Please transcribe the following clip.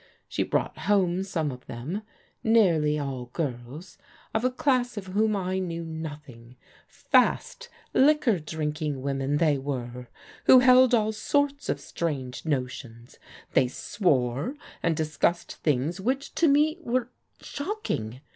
She brought home some of them, nearly all g^rls of a class of whom I knew nothing. Fast, Uguor drinking women they were, who held all sorts of THE DISILLUSIONMENT 37 strange notions. They swore, and discussed things which to me were — ^were — shocking.